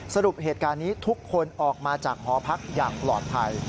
สรุปเหตุการณ์นี้ทุกคนออกมาจากหอพักอย่างปลอดภัย